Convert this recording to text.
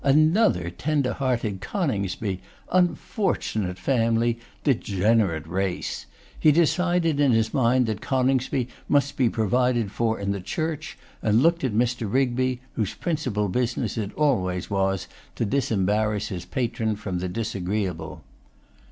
Another tender hearted Coningsby! Unfortunate family! Degenerate race! He decided in his mind that Coningsby must be provided for in the Church, and looked at Mr. Rigby, whose principal business it always was to disembarrass his patron from the disagreeable.